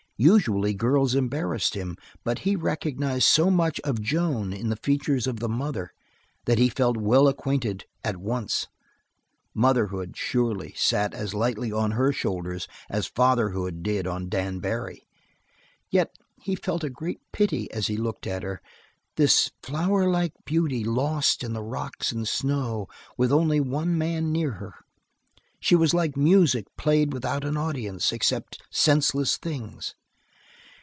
Usually girls embarrassed him, but he recognized so much of Joan in the features of the mother that he felt well acquainted at once. Motherhood, surely, sat as lightly on her shoulders as fatherhood did on Dan Barry, yet he felt a great pity as he looked at her, this flowerlike beauty lost in the rocks and snow with only one man near her. She was like music played without an audience except senseless things.